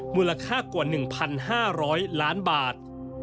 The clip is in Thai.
มูลค่ากว่า๑๕๐๐ล้านบาท